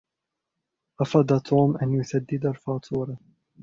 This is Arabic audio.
رفض توم أن يسدّد الفاتورة.